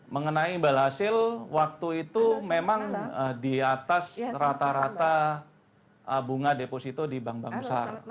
mengenai imbal hasil waktu itu memang di atas rata rata bunga deposito di bank bank besar